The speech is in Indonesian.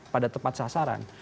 pada tempat sasaran